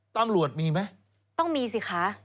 ตำรวจมีไหมต้องมีสิคะ